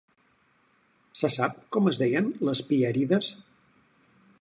Se sap com es deien les Pièrides?